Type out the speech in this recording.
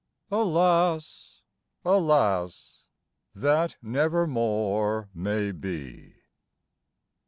Alas, alas! that never more may be.